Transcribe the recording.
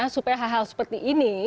supaya hal hal seperti ini